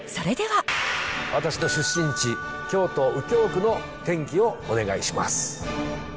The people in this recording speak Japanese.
私の出身地、京都・右京区の天気をお願いします。